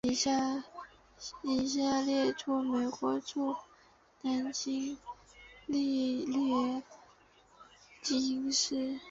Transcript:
以下列出美国驻南京历任领事。